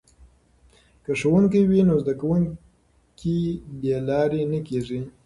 که ښوونکی وي نو زده کوونکي بې لارې نه کیږي.